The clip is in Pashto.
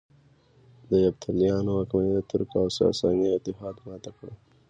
د یفتلیانو واکمني د ترک او ساساني اتحاد ماته کړه